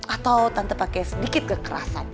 atau tanpa pakai sedikit kekerasan